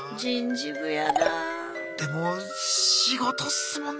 でも仕事っすもんね。